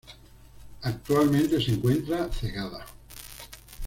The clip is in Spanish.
Actualmente se encuentra cegada.